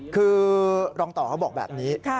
คือรองต่อเขาบอกแบบนี้